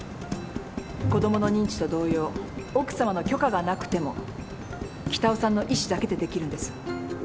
子供の認知と同様奥さまの許可がなくても北尾さんの意思だけでできるんです。